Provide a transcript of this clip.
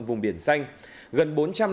vùng biển xanh gần bốn trăm năm mươi